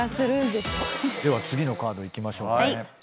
では次のカードいきましょうか。